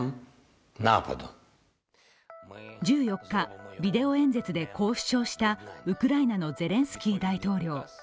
１４日、ビデオ演説でこう主張したウクライナのゼレンスキー大統領。